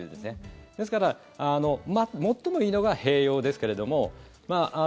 ですから、最もいいのが併用ですけれども。